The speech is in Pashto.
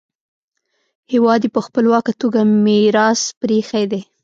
هېواد یې په خپلواکه توګه میراث پریښی دی.